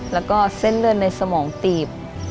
แล้วก็เส้นเลือดในสมองตีบ